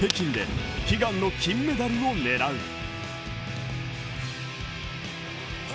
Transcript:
北京で悲願の金メダルを狙う。